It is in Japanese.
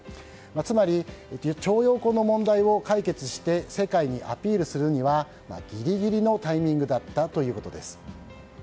つまり徴用工の問題を解決して世界にアピールするにはギリギリのタイミングだったということです。